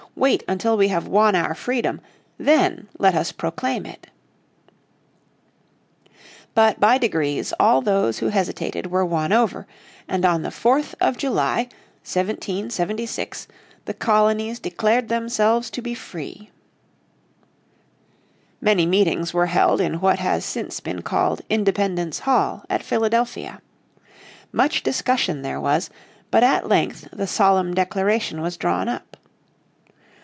Wait until we have won our freedom, then let us proclaim it." But by degrees all those who hesitated were won over, and on the 4th of July, 1776, the colonies declared themselves to be free. Many meetings were held in what has since been called Independence Hall at Philadelphia. Much discussion there was, but at length the solemn declaration was drawn up.